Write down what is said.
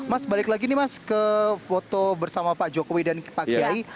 mas balik lagi nih mas ke foto bersama pak jokowi dan pak kiai